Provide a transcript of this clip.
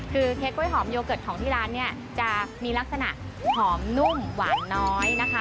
คือเค้กกล้วยหอมโยเกิร์ตของที่ร้านเนี่ยจะมีลักษณะหอมนุ่มหวานน้อยนะคะ